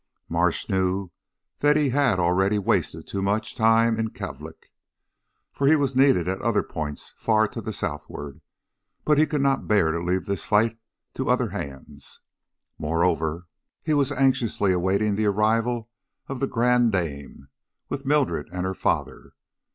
Marsh knew that he had already wasted too much time in Kalvik, for he was needed at other points far to the southward; but he could not bear to leave this fight to other hands. Moreover, he was anxiously awaiting the arrival of The Grande Dame, with Mildred and her father.